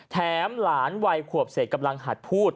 แถมหลานวัยขวบเศษกำลังหัดพูด